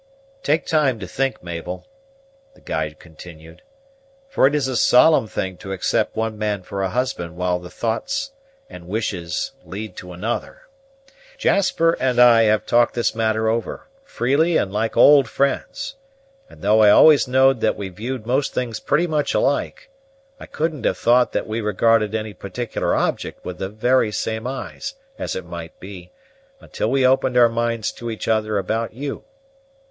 "Take time to think, Mabel," the guide continued, "for it is a solemn thing to accept one man for a husband while the thoughts and wishes lead to another. Jasper and I have talked this matter over, freely and like old friends, and, though I always knowed that we viewed most things pretty much alike, I couldn't have thought that we regarded any particular object with the very same eyes, as it might be, until we opened our minds to each other about you.